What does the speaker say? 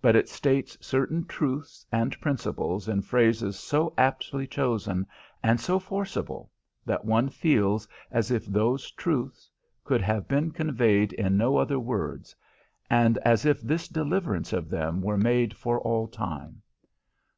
But it states certain truths and principles in phrases so aptly chosen and so forcible, that one feels as if those truths could have been conveyed in no other words, and as if this deliverance of them were made for all time.